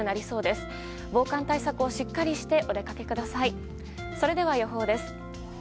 それでは予報です。